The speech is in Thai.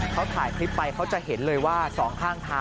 เขาถ่ายคลิปไปเขาจะเห็นเลยว่า